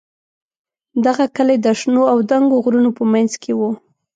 دغه کلی د شنو او دنګو غرونو په منځ کې و.